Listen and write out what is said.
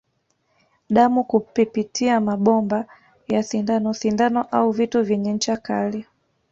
Damu kupipitia mabomba ya sindano sindano au vitu vyenye ncha kali